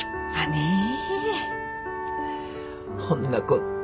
ほんなこって。